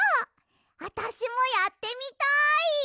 わたしもやってみたい！